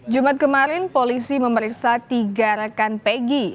jumat kemarin polisi memeriksa tiga rekan pegi